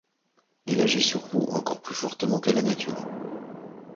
Il agit sur vous encore plus fortement que la nature.